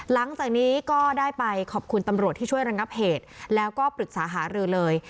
หลังจากนี้ก็ได้ไปขอบคุณตำรวจที่ช่วยระงับเหตุแล้วก็ปรึกษาหารือเลย